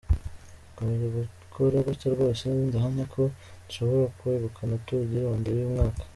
Dukomeje gukora gutya rwose ndahamya ko dushobora kwegukana ‘Tour du Rwanda y’uyu mwaka”.